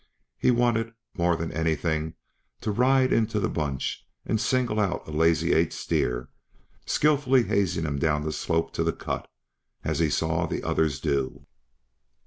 He wanted, more than anything, to ride into the bunch and single out a Lazy Eight steer, skillfully hazing him down the slope to the cut, as he saw the others do.